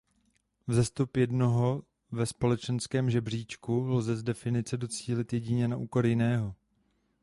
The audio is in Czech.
Vzestup jednoho ve společenském žebříčku lze z definice docílit jedině na úkor jiného.